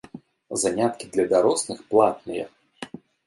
Заняткі для дарослых платныя.